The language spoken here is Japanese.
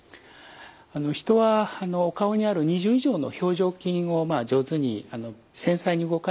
人はお顔にある２０以上の表情筋を上手に繊細に動かしてですね